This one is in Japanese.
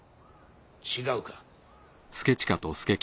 違うか。